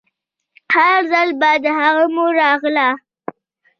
هر ځل به د هغه مور راغله.